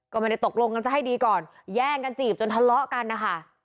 ก็ไม่ได้ตกลงกันจะให้ดีก่อนแย่งกันจีบจนทะเลาะกันนะคะ